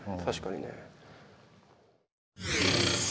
確かにね。